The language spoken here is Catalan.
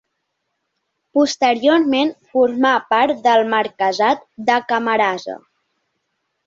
Posteriorment formà part del marquesat de Camarasa.